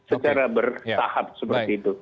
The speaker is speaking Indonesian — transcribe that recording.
secara bersahab seperti itu